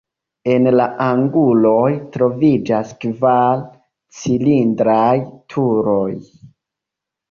En la anguloj troviĝas kvar cilindraj turoj.